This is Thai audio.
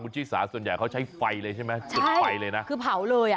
คุณชิสาส่วนใหญ่เขาใช้ไฟเลยใช่ไหมใช่คือเผาเลย